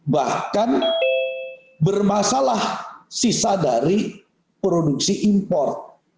bahkan bermasalah sisa dari produksi impor